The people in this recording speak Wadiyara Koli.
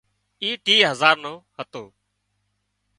اي ٽِيهه هزار نو هتو